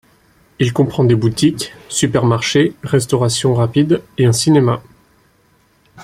Il comprend des boutiques, supermarché, restauration rapide et un cinéma.